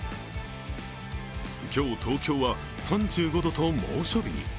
今日、東京は３５度と猛暑日に。